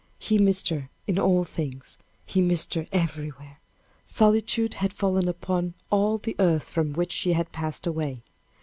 He missed her in all things; he missed her everywhere. Solitude had fallen upon all the earth from which she had passed away.